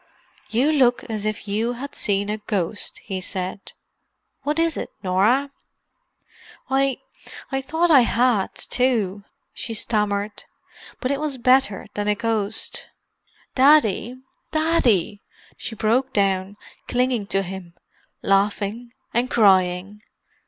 "You look as if you had seen a ghost," he said. "What is it, Norah?" "I—I thought I had, too," she stammered. "But it was better than a ghost. Daddy—Daddy!" she broke down, clinging to him, laughing and crying.